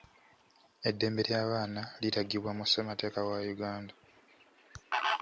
Eddembe ly'abaana liragibwa mu ssemateeka wa Uganda.